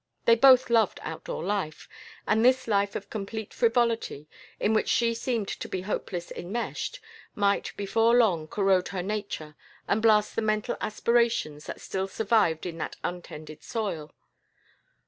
They both loved outdoor life, and this life of complete frivolity, in which she seemed to be hopelessly enmeshed, might before long corrode her nature and blast the mental aspirations that still survived in that untended soil.